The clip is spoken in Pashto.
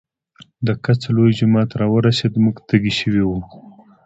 د کڅ لوے جومات راورسېدۀ مونږ تږي شوي وو